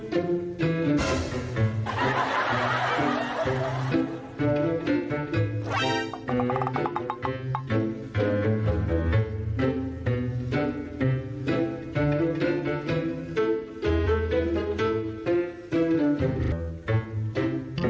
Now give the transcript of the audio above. โปรดติดตามตอนต่อไป